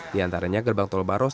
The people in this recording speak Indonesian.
di antaranya gerbang tol baros